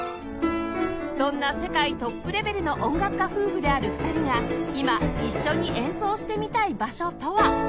そんな世界トップレベルの音楽家夫婦である２人が今一緒に演奏してみたい場所とは？